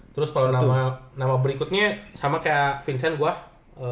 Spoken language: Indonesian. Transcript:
terus kalau nama berikutnya sama kayak vincent gua